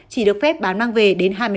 chỉ được phép bán mang về đến hai mươi một h